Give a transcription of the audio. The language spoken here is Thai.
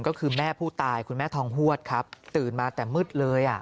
ก็คือแม่ผู้ตายคุณแม่ทองฮวดครับตื่นมาแต่มืดเลย